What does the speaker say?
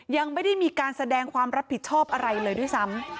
ยังไม่ได้มีการแสดงความรับผิดชอบอะไรเลยด้วยซ้ำ